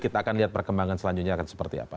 kita akan lihat perkembangan selanjutnya akan seperti apa